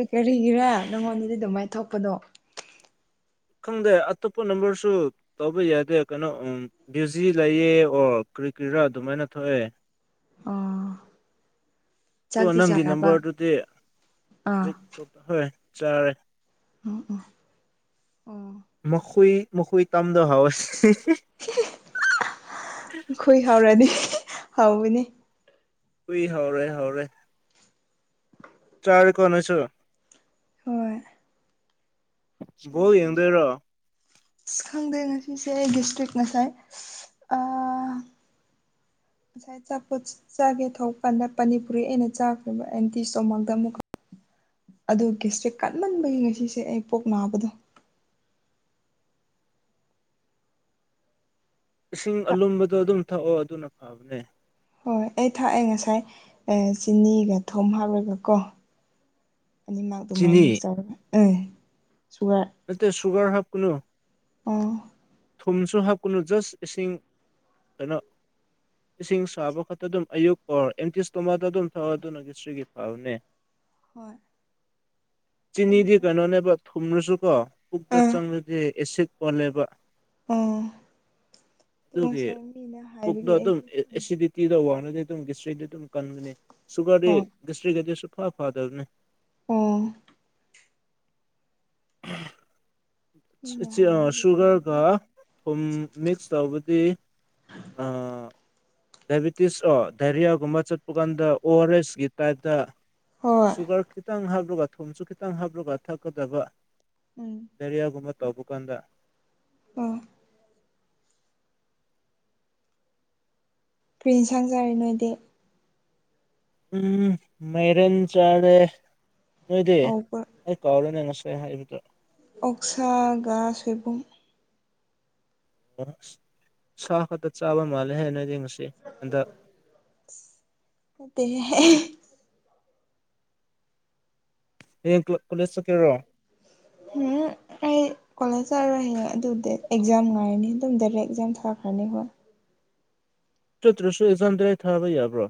ꯑ ꯀꯔꯤꯒꯤꯔꯦ ꯅꯪꯉꯣꯟꯗꯗꯤ ꯑꯗꯨꯃꯥꯏꯅ ꯊꯣꯛꯄꯗꯣ ꯈꯪꯗꯦ ꯑꯇꯣꯞꯄ ꯅꯝꯕꯔꯁꯨ ꯇꯧꯕ ꯌꯥꯗꯦ ꯀꯩꯅꯣ ꯕ꯭ꯌꯨꯖꯤ ꯂꯩꯌꯦ ꯑꯣ ꯀꯔꯤ ꯀꯔꯤꯔꯥ ꯑꯗꯨꯃꯥꯏꯅ ꯊꯣꯛꯑꯦ ꯑꯥ ꯑꯗꯨ ꯆꯥꯛꯇꯤ ꯅꯪꯒꯤ ꯆꯥꯔꯕ ꯅꯝꯕꯔꯗꯨꯗꯤ ꯍꯧꯖꯤꯛ ꯇꯣꯛꯈ꯭ꯔꯦ ꯍꯣꯏ ꯆꯥꯔꯦ ꯑꯣ ꯑꯣ ꯃꯈꯣꯏ ꯃꯈꯣꯏ ꯇꯝꯗꯍꯧꯋꯦ ꯈꯨꯏ ꯍꯧꯔꯅꯤ ꯍꯧꯕꯅꯦ ꯍꯨꯏ ꯍꯧꯔꯦ ꯍꯧꯔꯦ ꯆꯥꯔꯦꯀꯦ ꯅꯣꯢꯁꯨ ꯍꯣꯏ ꯕꯣꯜ ꯌꯦꯡꯗꯣꯏꯔꯣ ꯏꯁ ꯈꯪꯗꯦ ꯉꯁꯤꯁꯦ ꯒ꯭ꯔꯤꯁꯇ꯭ꯔꯤꯛ ꯉꯁꯥꯏ ꯑꯥ ꯉꯁꯥꯏ ꯑꯆꯥꯄꯣꯠ ꯆꯥꯒꯦ ꯊꯣꯛ ꯀꯥꯟꯗ ꯄꯅꯤꯄꯨꯔꯤ ꯑꯩꯅ ꯆꯥꯈ꯭ꯔꯤꯕ ꯑꯦꯝꯇꯤ ꯁꯇꯣꯃꯥꯛꯇ ꯑꯃꯨꯛ [unintelligible] ꯑꯗꯨ ꯒꯦꯁꯇ꯭ꯔꯤꯛ ꯀꯟꯃꯟꯕꯒꯤ ꯉꯁꯤꯁꯦ ꯑꯩ ꯄꯨꯛ ꯅꯥꯕꯗꯣ ꯏꯁꯤꯡ ꯑꯂꯨꯝꯕꯗꯣ ꯑꯗꯨꯝ ꯊꯛꯑꯣ ꯑꯗꯨꯅ ꯐꯕꯅꯦ ꯍꯣꯏ ꯑꯩ ꯊꯥꯛꯑꯦ ꯉꯁꯥꯏ ꯆꯤꯅꯤꯒ ꯊꯨꯝ ꯍꯥꯞꯂꯒ ꯀꯣ ꯑꯅꯤꯃꯛ ꯑꯗꯨꯃꯥꯏꯅ ꯆꯤꯅꯤ ꯃꯤꯛꯁ ꯇꯧꯕꯅꯦ ꯎꯝ ꯁꯨꯒꯔ ꯅꯠꯇꯦ ꯁꯨꯒꯔ ꯍꯥꯞ ꯀꯅꯨ ꯑꯣ ꯊꯨꯝꯁꯨ ꯍꯥꯞꯀꯅꯨ ꯖꯁ ꯏꯁꯤꯡ ꯀꯩꯅꯣ ꯏꯁꯤꯡ ꯁꯥꯕ ꯈꯛꯇ ꯑꯗꯨꯝ ꯑꯌꯨꯛ ꯑꯣꯔ ꯑꯝꯇꯤ ꯁꯇꯣꯃꯥꯛ ꯑꯗꯨꯝ ꯊꯛꯑꯣ ꯑꯗꯨꯅ ꯒꯦꯁꯇ꯭ꯔꯤꯛꯀꯤ ꯐꯕꯅꯦ ꯍꯣꯏ ꯑꯩ ꯆꯤꯅꯤꯗꯤ ꯉꯁꯥꯏ ꯀꯩꯅꯣꯅꯦꯕ ꯊꯨꯝꯂꯁꯨꯀꯣ ꯄꯨꯛꯇ ꯑꯥ ꯆꯪꯂꯗꯤ ꯑꯦꯁꯤꯠ ꯑꯣꯜꯂꯦꯕ ꯑꯣ ꯑꯗꯨ ꯑꯗꯨꯒꯤ ꯉꯁꯥꯏ ꯃꯤꯅ ꯄꯨꯛꯗꯣ ꯍꯥꯏꯕꯒꯤ ꯑꯗꯨꯝ ꯑꯩꯗꯤ ꯎꯝ ꯑꯦꯁꯤꯗꯤꯇꯤꯗ ꯋꯥꯡ ꯑꯗꯨ ꯒꯦꯁꯇ꯭ꯔꯤꯗꯤ ꯑꯗꯨꯝ ꯀꯟꯒꯅꯤ ꯁꯨꯒꯔꯗꯤ ꯍꯣꯏ ꯒꯦꯁꯇ꯭ꯔꯤꯗꯤ ꯁꯨ ꯐꯥ ꯐꯥꯗꯕꯅꯦ ꯑꯣ ꯃꯤꯅ ꯍꯥꯏꯕꯒꯤ ꯑꯩꯗꯤ ꯑꯗꯨꯝ ꯁꯨꯒꯔꯒ ꯇꯧꯋꯦ ꯊꯨꯝ ꯃꯤꯛꯁ ꯇꯧꯕꯗꯤ ꯑꯥ ꯗꯥꯏꯕꯤꯇꯤꯁ ꯑꯣ ꯗꯥꯏꯔꯤꯌꯥꯒꯨꯝꯕ ꯆꯠꯄ ꯀꯥꯟꯗ ꯑꯣꯔ ꯑꯦꯁꯀꯤ ꯇꯥꯏꯞꯇ ꯍꯣꯏ ꯁꯨꯒꯔ ꯈꯤꯇꯪ ꯍꯥꯞꯂꯒ ꯊꯨꯝꯁꯨ ꯈꯤꯇꯪ ꯍꯥꯞꯂꯒ ꯊꯛꯀꯗꯕ ꯎꯝ ꯗꯥꯢꯔꯤꯌꯥꯒꯨꯝꯕ ꯇꯧꯕꯀꯥꯟꯗ ꯑꯣ ꯀꯔꯤ ꯍꯦꯟꯁꯥꯡ ꯆꯥꯔꯦ ꯅꯣꯏꯗꯤ ꯎꯝ ꯃꯥꯏꯔꯦꯟ ꯆꯥꯔꯦ ꯅꯣꯏꯗꯤ ꯍꯥꯎꯕ꯭ꯔ ꯑꯩ ꯀꯥꯎꯔꯦꯅꯦ ꯉꯁꯥꯢ ꯁꯦ ꯍꯥꯏꯕꯗ ꯑꯣꯛ ꯁꯥꯥꯒꯥ ꯁꯣꯏꯕꯨꯝ ꯑꯣ ꯁꯥ ꯈꯠꯇ ꯆꯥꯕ ꯃꯥꯂꯦꯍꯦ ꯅꯣꯢꯗꯤ ꯢꯁ ꯅꯇꯦꯍꯦ ꯍꯌꯦꯡ ꯀꯣ ꯀꯣꯂꯦꯖ ꯆꯠꯀꯦꯔꯣ ꯎꯝ ꯑꯩ ꯀꯣꯂꯦꯖ ꯆꯠꯔꯣꯏꯍꯦ ꯑꯗꯨꯗꯤ ꯑꯦꯛꯖꯥꯝ ꯉꯥꯏꯔꯅꯤ ꯑꯗꯨꯝ ꯗꯥꯏꯔꯦꯛ ꯑꯦꯛꯖꯥꯝ ꯊꯥꯈ꯭ꯔꯅꯤ ꯍꯣꯏ ꯆꯠꯇ꯭ꯔꯁꯨ ꯑꯦꯛꯖꯥꯝ ꯗꯥꯢꯔꯦꯛ ꯊꯥꯕ ꯌꯥꯕ꯭ꯔꯣ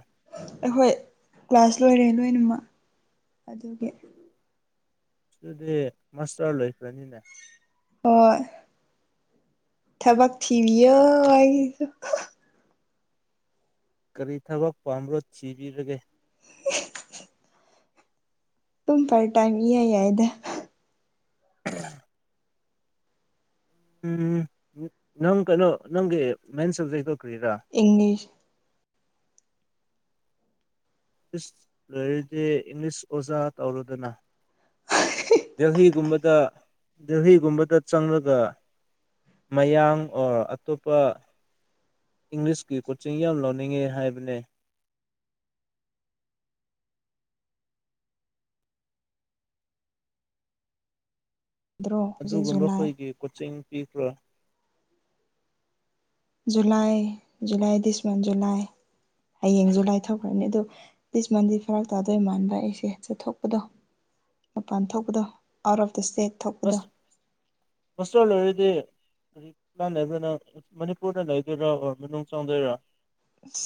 ꯑꯈꯣꯏ ꯀ꯭ꯂꯥꯁ ꯂꯣꯏꯔꯦ ꯂꯣꯏꯅꯃꯛ ꯑꯗꯨꯒꯤ ꯑꯗꯨꯗꯤ ꯃꯥꯁꯇꯔ ꯂꯣꯏꯈ꯭ꯔꯅꯤꯅꯦ ꯍꯣꯢ ꯊꯕꯛ ꯊꯤꯕꯤꯌꯣ ꯀꯔꯤ ꯊꯕꯛ ꯄꯥꯝꯕ꯭ꯔꯣ ꯊꯤꯕꯤꯔꯒꯦ [unintelligible] ꯇꯨꯝ ꯄꯔꯠ ꯇꯥꯏꯝ ꯢꯌꯥ ꯌꯥꯏꯗ [unintelligible] ꯎꯝ ꯅꯪ ꯀꯩꯅꯣ ꯅꯪꯒꯤ ꯃꯦꯟ ꯁꯕꯖꯦꯛꯇꯣ ꯀꯔꯤꯔꯥ ꯏꯪꯂꯤꯁ ꯪꯁ ꯂꯩꯔꯗꯦ ꯏꯪꯂꯤꯁ ꯑꯣꯖꯥ ꯇꯧꯔꯨꯗꯅ ꯗꯦꯜꯍꯤꯒꯨꯝꯕꯗ ꯗꯦꯜꯍꯤꯒꯨꯝꯕꯗ ꯆꯪꯂꯒ ꯃꯌꯥꯡ ꯑꯣꯔ ꯑꯇꯣꯞꯄ ꯏꯪꯂꯤꯁꯀꯤ ꯀꯣꯆꯤꯡ ꯌꯥꯝ ꯂꯧꯅꯤꯡꯉꯦ ꯍꯥꯏꯕꯅꯦ ꯗ꯭ꯔꯣ ꯍꯧꯖꯤꯛ ꯑꯗꯨꯒꯨꯝꯕ ꯖꯨꯂꯥꯏ ꯑꯩꯈꯣꯏꯒꯤ ꯀꯣꯆꯤꯡ ꯄꯤꯈ꯭ꯔꯥ ꯖꯨꯂꯥꯏ ꯖꯨꯂꯥꯏꯁꯣꯟ ꯖꯨꯂꯥꯏ ꯍꯌꯦꯡꯁꯨ ꯂꯥꯏꯊꯣꯛꯈ꯭ꯔꯅꯤ ꯑꯗꯨꯣ ꯂꯤꯁ ꯃꯟꯗꯤ ꯐꯔꯛ ꯇꯥꯗꯣꯏ ꯃꯥꯟꯕ ꯑꯩꯁꯦ ꯆꯠꯊꯣꯛꯄꯗꯣ ꯃꯄꯥꯟ ꯊꯣꯛꯄꯗ ꯑꯔꯐ ꯁꯁꯥꯎꯜ ꯑꯣꯏꯗꯤ ꯍꯥꯏ ꯀꯥꯟ ꯂꯩꯗꯅ ꯃꯅꯤꯄꯨꯔꯗ ꯂꯩꯗꯣꯏꯔ ꯃꯅꯨꯡ ꯆꯪꯗꯣꯏꯔꯥ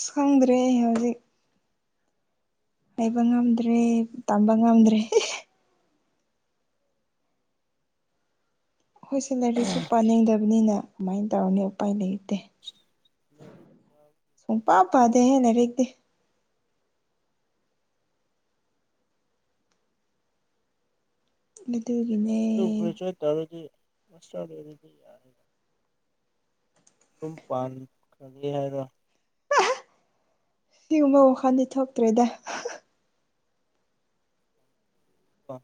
ꯁꯪꯗ꯭ꯔꯦ ꯍꯧꯖꯤꯛ ꯍꯕ ꯉꯝꯗ꯭ꯔꯦ ꯇꯝꯕ ꯉꯝꯗ꯭ꯔꯦ ꯍꯣꯏꯁꯦ ꯂꯥꯏꯔꯤꯛꯁꯨ ꯄꯥꯅꯤꯡꯗꯕꯅꯤꯅ ꯀꯃꯥꯏꯅ ꯇꯧꯔꯅꯤ ꯎꯄꯥꯏ ꯂꯩꯇꯦ ꯁꯨꯝꯄꯥꯥꯄꯗꯦ ꯂꯩꯔꯗꯤ ꯑꯗꯨ ꯇꯒꯤꯅꯦ ꯃꯁ ꯗꯤ ꯌꯥꯔꯦꯒ ꯑꯗꯨꯝ ꯄꯥꯟ ꯈꯪꯉꯦ ꯍꯥꯏꯔꯣ ꯁꯤꯒꯨꯝꯕ ꯋꯥꯈꯜꯗꯤ ꯊꯣꯛꯇ꯭ꯔꯦꯗ ꯑ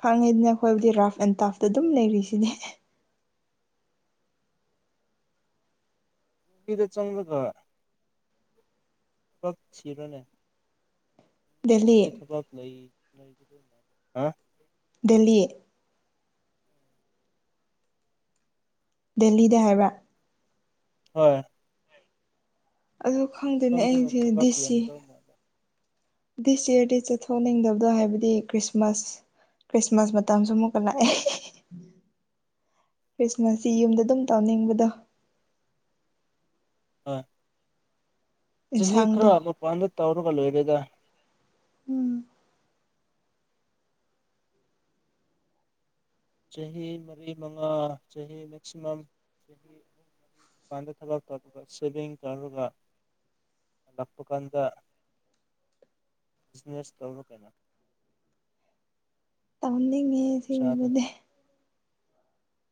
ꯈꯪꯉꯤꯗꯅ ꯑꯩꯈꯣꯏꯕꯨꯗꯤ ꯔꯥꯐ ꯑꯦꯟ ꯇꯥꯐꯇ ꯑꯗꯨꯝ ꯂꯩꯔꯤꯁꯤꯅꯦ ꯀꯗ ꯆꯪꯗ ꯇ ꯐꯛ ꯁꯤꯔꯣꯅꯦ ꯗꯦꯜꯂꯤ ꯊ ꯂꯩ ꯂꯩ ꯗꯦꯜꯂꯤ ꯗꯦꯍꯤꯗ ꯍꯥꯏꯕ꯭ꯔꯥ ꯍꯣꯏ ꯑꯗ ꯈꯪꯗꯅꯦ ꯑꯗꯣꯝꯗꯅ ꯑꯩꯁꯦ ꯊꯕꯛ ꯗꯦꯁꯤ ꯌꯥꯝꯗꯧ ꯃꯥꯜꯂꯦ ꯗꯤꯁ ꯏꯔꯗꯤ ꯆꯠꯊꯣꯛꯅꯤꯡꯗꯕꯗꯣ ꯍꯥꯏꯕꯗꯤ ꯈ꯭ꯔꯤꯁꯃꯥꯁ ꯈ꯭ꯔꯤꯁꯃꯥꯁ ꯃꯇꯝꯁꯨ ꯑꯃꯨꯛꯀ ꯂꯥꯛꯑꯦ ꯈ꯭ꯔꯤꯁꯃꯥꯁꯁꯤ ꯌꯨꯝꯗ ꯑꯗꯨꯝ ꯇꯧꯅꯤꯡꯕꯗꯣ ꯑ ꯆꯍꯤ ꯏꯟꯁꯥꯡꯗꯣ ꯈꯔꯕ ꯄꯥꯟꯗ ꯇꯧꯔꯒꯂ ꯑꯣꯏꯒꯒ ꯎꯝ ꯆꯍꯤ ꯃꯔꯤ ꯃꯉꯥ ꯆꯍꯤ ꯃꯦꯛꯁꯤꯃꯝ ꯆꯍꯤ ꯑꯍꯨꯝ ꯄꯥꯟꯗ ꯊꯂ ꯇꯒ ꯁꯦꯚꯡ ꯀꯔꯒ ꯂꯄꯨ ꯀꯥꯟꯗ ꯕꯤꯖꯤꯅꯦꯁ ꯇꯔꯛꯦ ꯇꯧꯅꯤꯡꯉꯦ ꯁꯤꯒꯕꯗꯤꯦ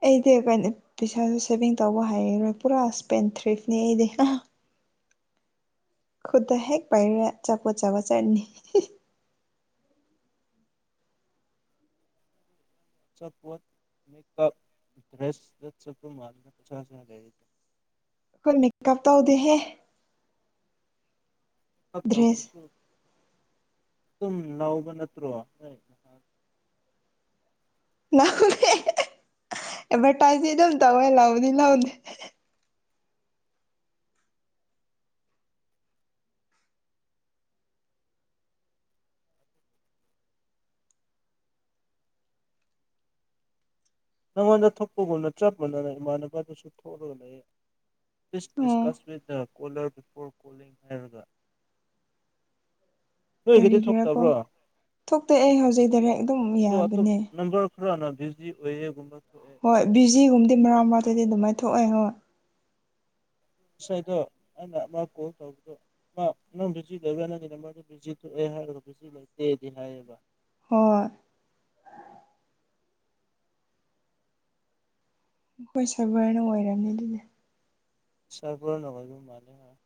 ꯑꯩꯗꯤ ꯀ ꯄꯩꯁꯥꯁꯨ ꯁꯦꯚꯤꯡ ꯇꯧꯕ ꯍꯥꯏꯔꯣꯏ ꯄꯨꯔꯥ ꯏꯁꯄꯦꯟ ꯊ꯭ꯔꯤꯐꯅꯦ ꯑꯩꯗꯤ ꯈꯨꯗ ꯍꯦꯛ ꯄꯥꯏꯔ ꯆꯠꯄꯣꯠ ꯆꯥꯄ ꯆꯠꯅꯤ ꯆꯠꯄꯠ ꯄꯁ ꯂꯩ ꯑꯩꯈꯣꯏ ꯃꯦꯀꯞ ꯇꯧꯗꯦꯍꯦ ꯐꯠꯇꯧ ꯗ꯭ꯔꯦꯁ ꯑꯗꯨꯔꯁꯨ ꯑꯗꯨꯨꯝ ꯂꯥꯎꯕ ꯅꯠꯇ꯭ꯔꯣ ꯂꯗ ꯑꯦꯚꯔꯇꯥꯏꯖ ꯑꯗꯨ ꯇꯧꯦ ꯂꯥꯎꯗ ꯂꯥꯎꯗꯦ ꯅꯉꯣꯟꯗ ꯊꯣꯛꯄꯒꯨꯝꯅ ꯆꯞ ꯃꯥꯟꯅꯅ ꯏꯃꯥꯟꯅꯕꯗꯨꯁꯨ ꯊꯣꯛꯂꯒ ꯂꯩ ꯄꯁ ꯑꯣ discuss with the colour before calling ꯍꯥꯏꯔꯒ ꯅꯣꯏꯒꯤꯗꯤ ꯀꯔꯤꯒꯤꯔꯥ ꯀꯣ ꯊꯣꯛꯇꯕ꯭ꯔꯣ ꯊꯣꯛꯇ ꯑꯩ ꯍꯧꯖꯤꯛꯗ ꯍꯦꯛ ꯑꯗꯨꯝ ꯌꯥꯕꯅꯦ ꯍꯅ ꯕꯤꯖꯤ ꯑꯣꯏꯌꯦꯒ ꯍꯣꯏ ꯕꯤꯖꯤꯒꯨꯝꯕꯗꯤ ꯃꯔꯥ ꯃꯔꯥꯇꯗꯤ ꯑꯗꯨꯃꯥꯏꯅ ꯊꯣꯛꯑꯦ ꯍꯣꯏ ꯉꯁꯥꯏꯗꯣ ꯑꯩꯅ ꯃꯥ ꯀꯣꯜ ꯇꯧꯕꯗꯣ ꯃꯥ ꯅꯪ ꯕꯤꯖꯤ ꯂꯩꯕ ꯅꯪꯒꯤ ꯅꯝꯕꯔꯗ ꯕꯤꯖꯤ ꯊꯣꯛꯑꯦ ꯍꯥꯏ ꯁꯤ ꯂꯩꯇꯦꯗꯤ ꯍꯥꯏꯌꯦꯕ ꯍꯣꯏ ꯑꯩꯈꯣꯏ ꯁꯚꯔꯅ ꯑꯣꯏꯔꯝꯅꯤ ꯑꯗꯨꯅꯦ ꯁꯔꯄꯔ ꯅꯒꯣꯏ ꯎ ꯃꯥꯦ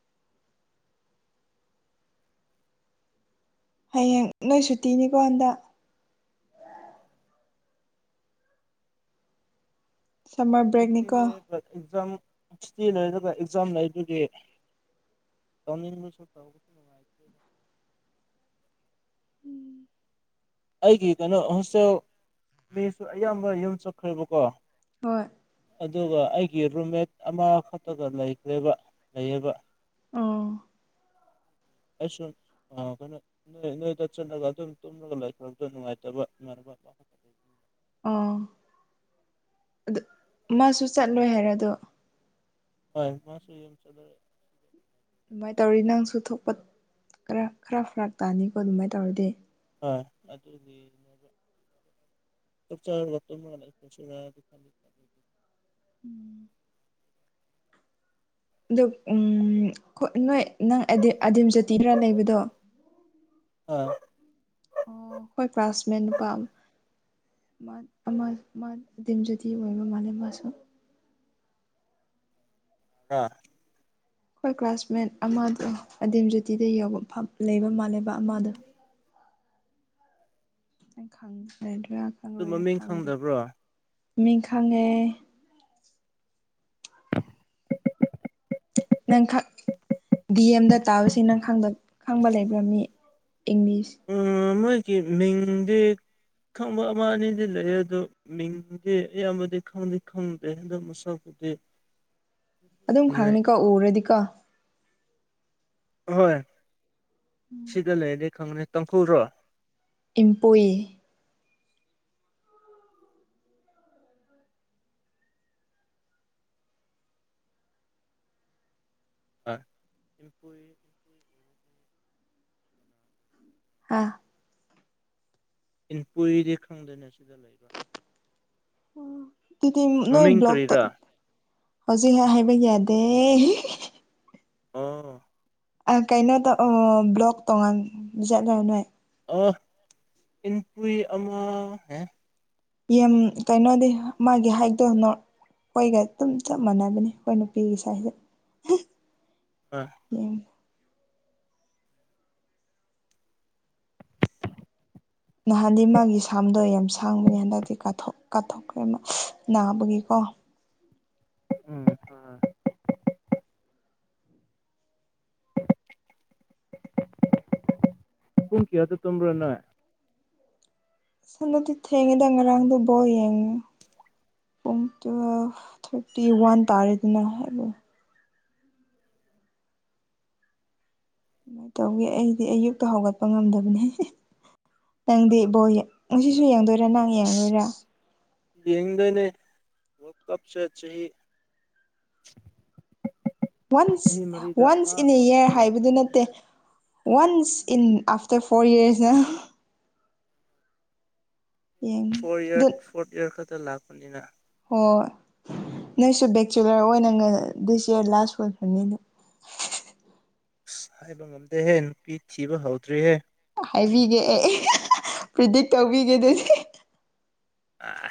ꯍꯌꯦꯡ ꯅꯣꯏ ꯁꯨꯇꯤꯅꯤꯀꯣ ꯍꯟꯗ ꯁꯝꯃꯔ ꯕ꯭ꯔꯦꯛꯅꯤꯀꯣ ꯐꯤꯐꯇꯤꯅꯦ ꯕꯠ ꯑꯦꯛꯖꯥꯝ ꯁꯤꯛꯁꯇꯤ ꯂꯩꯔꯒ ꯑꯦꯛꯖꯥꯝ ꯂꯩꯗꯨꯒꯤ ꯇ ꯁ ꯇꯅꯨꯡꯉ ꯑꯩꯒꯤ ꯀꯩꯅꯣ ꯍꯣꯁꯇꯦꯜ ꯃꯤꯁꯨ ꯑꯌꯥꯝꯕ ꯌꯨꯝ ꯆꯠꯈ꯭ꯔꯦꯕꯀꯣ ꯍꯣꯏ ꯑꯗꯨꯒ ꯑꯩꯒꯤ ꯔꯨꯝꯃꯦꯠ ꯑꯃꯈꯛꯇꯒ ꯂꯩꯈ꯭ꯔꯦꯕ ꯂꯩꯌꯦꯕ ꯑꯥ ꯑꯩ ꯁꯨꯝ ꯀꯩꯅꯣ ꯅ ꯅꯣꯏꯗ ꯆꯠꯂꯒ ꯑꯗꯨꯝ ꯇꯨꯝꯂꯒ ꯂꯥꯏꯕꯗ ꯅꯨꯡꯉꯥꯏꯇꯕ [unintelligible] ꯑꯣ ꯑꯗꯨ ꯃꯥꯁꯨ ꯆꯠꯂꯣꯏ ꯍꯥꯏꯔꯗꯣ ꯍꯣꯏ ꯃꯥꯁꯨꯗ ꯑꯗꯨꯃꯥꯏꯅ ꯇꯧꯔꯤ ꯅꯪꯁꯨ ꯊꯣꯛꯄ ꯈꯔ ꯈꯔ ꯐꯔꯛ ꯇꯥꯅꯤꯀꯣ ꯑꯗꯨꯃꯥꯏꯅ ꯇꯧꯔꯗꯤ ꯍꯣꯏ ꯑꯗꯨꯗꯤꯅꯦ ꯆ ꯆ ꯇꯁꯤ [unintelligible] ꯑꯗ ꯎ ꯅꯣꯏ ꯅꯪꯗꯤ ꯑꯗꯤꯝ ꯖꯥꯇꯤꯗ꯭ꯔꯥ ꯂꯩꯕꯗꯣ ꯑ ꯑꯣ ꯍꯣꯏ ꯀ꯭ꯂꯥꯁꯃꯦꯠ ꯅꯨꯄꯥ ꯑꯃ ꯃꯥꯗꯤꯝꯖꯗꯤ ꯑꯣꯏꯕ ꯃꯥꯜꯂ ꯃꯥꯁꯨ ꯑ ꯍꯣꯏ ꯀ꯭ꯂꯥꯁꯃꯦꯠ ꯑꯃꯗꯣ ꯑꯗꯤꯝ ꯖꯣꯇꯤꯗ ꯌ ꯂꯩꯕ ꯃꯥꯜꯂꯦꯕ ꯑꯃꯗꯣ ꯗꯔꯥ ꯈ ꯑꯗꯨ ꯂꯣꯏꯔ ꯃꯃꯤꯡ ꯈꯪꯗꯦ ꯈꯪꯗꯕ꯭ꯔꯣ ꯃꯤꯡꯈꯉꯦ ꯅꯪ ꯗꯤ ꯑꯦꯝꯗ ꯇꯥꯁꯤ ꯅꯪ ꯈꯪꯕ ꯂꯩꯕ꯭ꯔꯥ ꯃꯤ ꯏꯪꯂꯤꯁ ꯃꯤꯗꯤ ꯈꯪꯕ ꯑꯃ ꯑꯅꯤꯗꯤ ꯂꯩ ꯑꯗꯨꯗꯣ ꯃꯤꯡꯗꯤ ꯑꯌꯥꯝꯕꯗꯤ ꯈꯪꯗꯤ ꯈꯪꯗꯦ ꯑꯗꯨꯣ ꯃꯁꯛ ꯒꯤ ꯑꯗꯨꯝ ꯈꯪꯅꯤꯀꯣ ꯎꯔꯗꯤꯀꯣ ꯑꯍꯣꯏ ꯁꯤꯗ ꯂꯩꯔꯗꯤ ꯈꯪꯅꯤ ꯇꯈꯨꯔꯣ ꯏꯝꯄꯨ ꯑꯄꯨ ꯍꯥꯥ ꯏꯟꯀꯨꯔꯤꯗꯤ ꯈꯪꯗꯣꯏꯅꯤ ꯁꯤꯗ ꯂꯩꯕ ꯎ ꯑꯗꯨꯗꯤ ꯅꯣꯏ ꯃꯃꯤꯡ ꯕ꯭ꯂꯣꯛꯇ ꯀꯔꯤꯔꯥ ꯍꯧꯖꯤꯛ ꯍꯥꯏꯕꯒꯤꯗ ꯑꯦ ꯑꯥ ꯑ ꯀꯩꯅꯣ ꯇꯧ ꯕ꯭ꯂꯣꯛ ꯇꯣꯉꯥꯟ ꯆꯠꯂ ꯅꯣꯏ ꯑ ꯏꯟꯄꯨꯏ ꯑꯃ ꯌꯥꯝ ꯀꯩꯅꯣꯗꯤ ꯃꯥꯒꯤ ꯍꯥꯏꯛꯇꯣ ꯑꯩꯈꯣꯏꯒ ꯑꯗꯨꯝ ꯆꯞ ꯃꯥꯟꯅꯕꯅꯤ ꯑꯩꯈꯣꯏ ꯅꯨꯄꯤꯒꯤ ꯁꯥꯏꯁꯦ ꯎ ꯑꯥ ꯅꯍꯥꯟꯗꯤ ꯃꯥꯒꯤ ꯁꯥꯝꯗꯣ ꯌꯥꯝ ꯁꯥꯡꯕꯅꯦ ꯍꯟꯗꯛꯇꯤ ꯀꯥꯊꯣꯛꯈ꯭ꯔꯦ ꯅꯥꯕꯒꯤꯀꯣ ꯋꯥ ꯎꯝ ꯎꯝ [unintelligible] ꯍꯨꯡꯀꯤ ꯑꯇ ꯇꯣꯨꯝ꯭ꯔ ꯅꯣꯏ ꯁꯅꯗꯤ ꯊꯦꯡꯉꯗ ꯉꯔꯥꯡꯗ ꯣ ꯌꯦꯡꯉ ꯄꯨꯡ ꯇꯨꯋ ꯊꯥꯔꯇꯤ ꯋꯥꯟ ꯇꯥꯔꯦꯗꯅ ꯍꯥꯏꯕꯣ ꯑꯗꯨꯃꯥꯏꯅ ꯇꯧꯒꯦ ꯑꯩꯗꯤ ꯑꯌꯨꯛꯇ ꯍꯧꯒꯠꯄ ꯉꯝꯗꯕꯅꯦ ꯅꯪꯗꯤ ꯏꯕꯣ ꯉꯁꯤꯁꯨ ꯌꯦꯡꯗꯣꯏꯔꯥ ꯅꯪ ꯌꯦꯡꯂꯡꯣꯏꯔꯥ ꯌꯦꯡꯗꯅꯦ ꯔ ꯀꯞꯁ ꯆꯍꯤꯍꯤ ꯋꯥꯟꯁ ꯋꯥꯟꯁ ꯏꯟ ꯑꯦ ꯑꯃꯈꯛꯇ ꯏꯌꯥꯔ ꯍꯥꯏꯕꯗꯨ ꯂꯥꯛꯄꯅꯤꯅ ꯅꯠꯇꯦ ꯋꯥꯟꯁ ꯏꯟ ꯑꯐꯇꯔ ꯐꯣꯔ ꯏꯔꯁꯅ ꯌꯦꯡꯉ ꯐꯣꯔ ꯏꯔ ꯑꯗꯨ ꯐꯣꯔꯠ ꯏꯌꯥꯔ ꯈꯛꯇ ꯂꯥꯛꯄꯅꯤꯅ ꯑꯣ ꯅꯪꯁꯨ ꯕꯦꯛꯆꯨꯂꯔ ꯑꯣꯏꯅ ꯗꯤꯁ ꯏꯌꯥꯔ ꯂꯥꯁ ꯑꯣꯏꯈ꯭ꯔꯅꯤꯗ ꯑꯁ ꯍꯥꯏꯕ ꯉꯝꯗꯦꯍꯦ ꯅꯨꯄꯤ ꯊꯤꯕ ꯍꯧꯗ꯭ꯔꯤꯍꯦ ꯍꯥꯏꯕꯤꯒꯦ ꯑꯦ ꯄ꯭ꯔꯤꯗꯤꯛ ꯇꯧꯕꯤꯒꯦ ꯑꯗꯨꯗꯤ ꯑ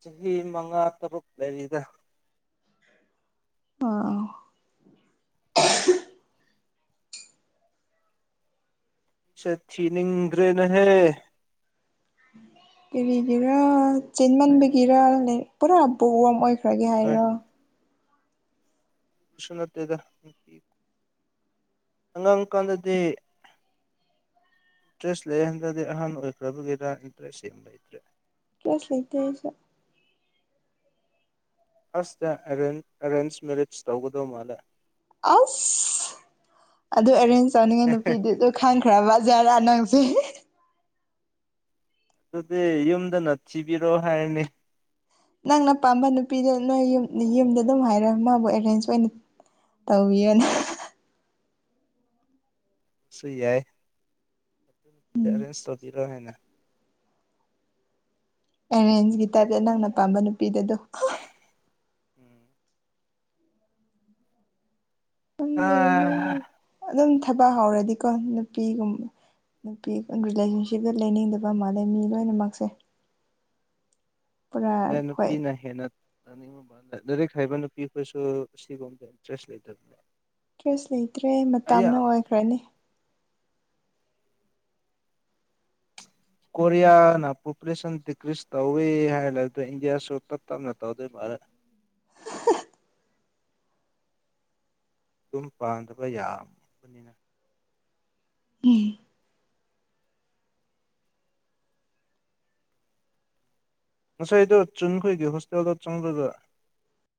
ꯆꯍꯤ ꯃꯉꯥ ꯇꯔꯨꯛ ꯂꯩꯔꯤꯗ ꯑꯥ ꯆꯊꯅꯤꯡ ꯏꯒ꯭ꯔꯦꯅ ꯍꯦ ꯀꯔꯤꯒꯤꯔ ꯆꯦꯟꯃꯟꯕꯒꯤꯔ ꯄꯨꯔꯥ ꯕ ꯑꯃ ꯑꯣꯏꯈ ꯈ꯭ꯔꯒꯦ ꯍꯥꯏꯔꯣ ꯕꯤꯁ ꯅꯠꯇꯦꯗ ꯑꯉꯥꯡ ꯀꯥꯟꯗꯗꯤ ꯏꯟꯇꯔꯦꯁ ꯂꯩꯍꯟꯗ꯭ꯔꯗꯤ ꯑꯍꯟ ꯑꯣꯏꯈ꯭ꯔꯕꯒꯤꯔꯥꯡ ꯏꯟꯇꯔꯦꯁ ꯁꯦꯝꯕ ꯂꯩꯇ꯭ꯔꯦ ꯀꯁ ꯏꯇꯁ ꯑꯁꯇ ꯑꯦꯔꯦꯟꯖ ꯃꯦꯔꯤꯖ ꯇꯧꯒꯗꯧ ꯃꯥꯜꯂꯦ ꯑꯁ ꯑꯗꯨ ꯑꯦꯔꯦꯟꯖ ꯇꯧꯅꯤꯡꯉꯦ ꯅꯨꯄꯤꯗꯤ ꯑꯗꯨ ꯈꯪꯈ꯭ꯔꯕꯖꯥꯔꯥ ꯅꯪꯁꯦ ꯑꯗꯨꯗꯤ ꯌꯨꯝꯗꯅꯠꯁꯤꯕꯤꯔꯣ ꯍꯥꯏꯔꯅꯤ ꯅꯪꯅ ꯄꯥꯝꯕ ꯅꯨꯄꯤꯗ ꯅꯣꯏ ꯌꯨꯝꯗ ꯑꯗꯨꯝ ꯍꯥꯏꯔ ꯃꯥꯕꯨ ꯑꯦꯔꯦꯟꯖ ꯑꯣꯏꯅ ꯇꯧꯕꯤꯌꯣꯅꯦ ꯁ ꯌꯥꯏ ꯎꯝ ꯇꯦꯟ ꯁꯕꯔꯣ ꯍꯥꯏꯟꯅ ꯑꯦꯔꯦꯟꯁꯒꯤ ꯇꯥꯏꯞꯇ ꯅꯪꯅ ꯄꯥꯝꯕ ꯅꯨꯄꯤꯗꯗꯣ ꯎꯝ ꯑ ꯑꯗꯨꯝ ꯊꯕꯛ ꯍꯧꯔꯗꯤꯀꯣ ꯅꯨꯄꯤꯒꯨꯝꯕ ꯅꯨꯄꯤ ꯔꯤꯂꯦꯁꯟꯁꯤꯞꯇ ꯂꯩꯅꯤꯡꯗꯕ ꯃꯥꯜꯂꯦ ꯃꯤ ꯂꯣꯏꯅꯃꯛꯁꯦ ꯄꯨꯔꯥ ꯑꯦ ꯍꯣꯏ ꯅꯨꯄꯤꯅꯍꯦꯟꯅ ꯅꯤꯡ ꯂꯥꯏꯔꯤꯛ ꯍꯥꯏꯕ ꯅꯨꯄꯤ ꯑꯩꯈꯣꯏꯁꯨ ꯁꯤꯒꯕꯗ ꯏꯟꯇꯔꯦꯁ ꯂꯩꯇꯕꯅꯦ ꯗ꯭ꯔꯦꯁ ꯂꯩꯇ꯭ꯔꯦ ꯑꯩ ꯃꯇꯝꯥꯅ ꯑꯣꯏꯈ꯭ꯔꯅꯤ ꯀꯣꯔꯤꯌꯥꯅ ꯄꯣꯄꯨꯂꯦꯁꯟ ꯗꯤꯀ꯭ꯔꯤꯁ ꯇꯧꯋꯤ ꯍꯥꯏ ꯏꯟꯗꯤꯌꯥꯁꯨ ꯇꯞ ꯇꯞꯅ ꯇꯧꯗꯣꯏ [unintelligible] ꯑꯗꯨꯝ ꯄꯥꯟꯗꯕ ꯌꯥꯕꯅꯤꯅ ꯉꯁꯥꯏꯗ ꯆꯨꯝꯈꯣꯏꯒꯤ ꯍꯣꯁꯇꯦꯜꯗ ꯆꯪꯂꯕꯗ